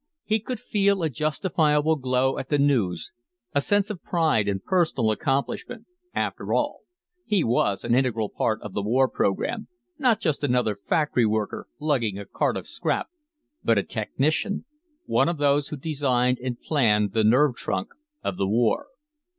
He could feel a justifiable glow at the news, a sense of pride and personal accomplishment. After all, he was an integral part of the war program, not just another factory worker lugging a cart of scrap, but a technician, one of those who designed and planned the nerve trunk of the war.